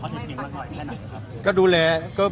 ถามข้อเท็จนี้มากแค่ไหนครับ